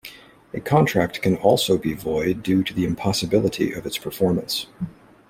A contract can also be void due to the impossibility of its performance.